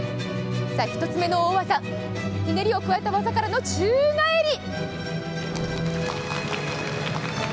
１つ目の大技、ひねりを加えた技からの宙返り。